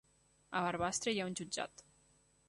A Barbastre hi ha un jutjat